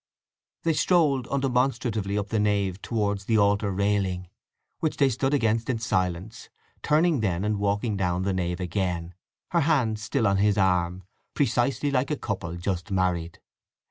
They strolled undemonstratively up the nave towards the altar railing, which they stood against in silence, turning then and walking down the nave again, her hand still on his arm, precisely like a couple just married.